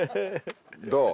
どう？